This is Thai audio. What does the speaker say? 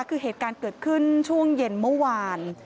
คือเหตุการณ์เกิดขึ้นช่วงเย็นเมื่อวาน